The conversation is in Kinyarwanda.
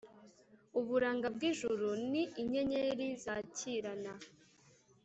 Uburanga bw’ijuru, ni inyenyeri zakirana,